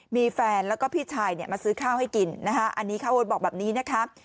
มีแฟนแล้วก็พี่ชายมาซื้อข้าวให้กินนะคะอันนี้ข้าวโอ๊ตบอกแบบนี้นะคะ